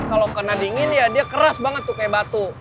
kalau kena dingin ya dia keras banget tuh kayak batu